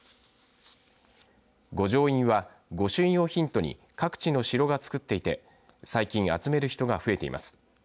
御城印は、御朱印をヒントに各地の城が作っていて最近集める人が増えています。